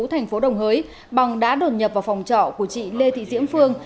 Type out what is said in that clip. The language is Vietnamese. tp đồng hới bằng đã đột nhập vào phòng trọ của chị lê thị diễm phương